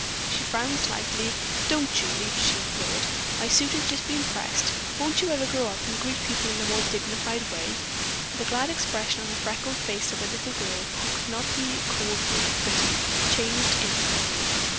She frowned slightly. "Don't, Julie!" she implored. "My suit has just been pressed. Won't you ever grow up, and greet people in a more dignified way?" The glad expression on the freckled face of the little girl, who could not be called really pretty, changed instantly.